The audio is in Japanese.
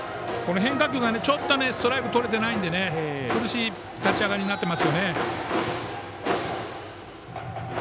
変化球でストライクがとれていないので苦しい立ち上がりになってます。